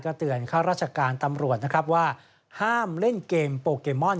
ก็เตือนเข้ารัชการตำรวจว่าห้ามเล่นเกมปโบเคมอน